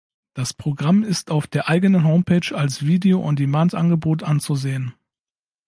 Das Programm ist auf der eigenen Homepage als Video On Demand Angebot anzusehen.